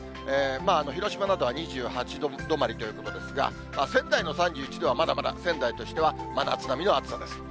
広島などは２８度止まりということですが、仙台の３１度はまだまだ仙台としては真夏並みの暑さです。